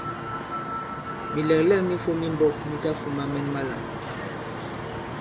Mìlɛ̀glɛ᷇k mi fōm i mbōk mi tafūma mɛn malām.